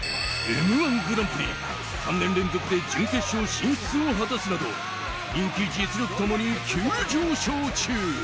「Ｍ‐１グランプリ」３年連続で準決勝進出を果たすなど人気、実力ともに急上昇中。